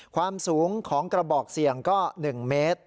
ความสูงของกระบอกเสี่ยงก็๑เมตร